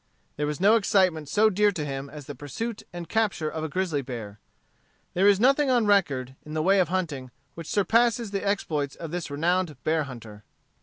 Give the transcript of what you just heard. There was no excitement so dear to him as the pursuit and capture of a grizzly bear. There is nothing on record, in the way of hunting, which surpasses the exploits of this renowned bear hunter.